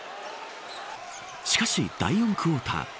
しかし、第４クオーター。